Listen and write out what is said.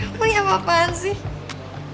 kamu nih apa apaan sih